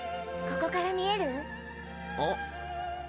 ここから見える？